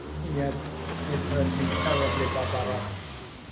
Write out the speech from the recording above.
Yes, it hurt me terribly, Barbara.